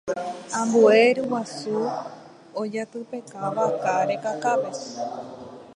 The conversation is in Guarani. ambue ryguasu ojatypeka vaka rekakápe